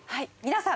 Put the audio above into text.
皆さん